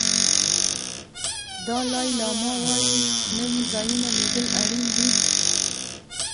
دالای لاما وایي نوي ځایونه لیدل اړین دي.